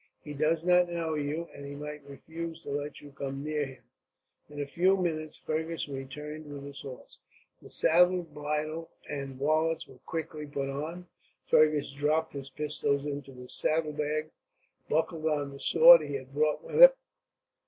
He does not know you, and might refuse to let you come near him." In a few minutes, Fergus returned with his horse. The saddle, bridle, and wallets were quickly put on. Fergus dropped his pistols into his saddlebags, and buckled on the sword he had brought with him.